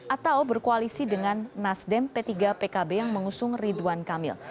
atau berkoalisi dengan nasdem p tiga pkb yang mengusung ridwan kamil